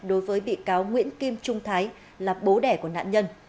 đối với bị cáo nguyễn kim trung thái là bố đẻ của nạn nhân